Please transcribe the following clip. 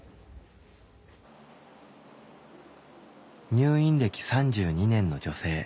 入院歴３２年の女性。